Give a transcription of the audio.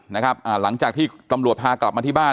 หลังจากที่ตำรวจพากลับมาที่บ้าน